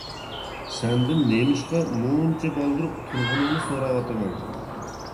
سەندىن نېمىشقا مۇنچە بالدۇر تۇرغىنىڭنى سوراۋاتىمەن.